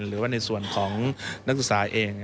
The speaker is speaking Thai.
หรือว่าในส่วนของนักศึกษาเอง